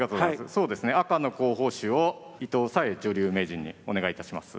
そうですね赤の候補手を伊藤沙恵女流名人にお願いいたします。